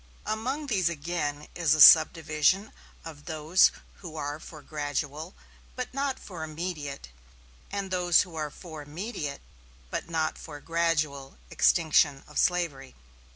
Among these again is a subdivision of those who are for gradual but not for immediate, and those who are for immediate, but not for gradual extinction of slavery.